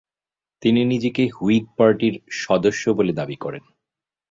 তিনি নিজেকে হুইগ পার্টির সদস্য বলে দাবি করেন।